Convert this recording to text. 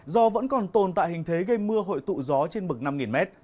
do vẫn còn tồn tại hình thế gây mưa hội tụ gió trên mực năm m